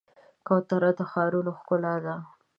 کوتره د ښارونو ښکلا ده.